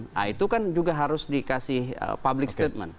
nah itu kan juga harus dikasih public statement